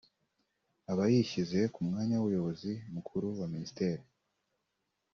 aba yishyize mu mwanya w’umuyobozi mukuru wa Ministère